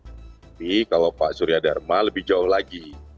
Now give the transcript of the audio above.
tapi kalau pak surya dharma lebih jauh lagi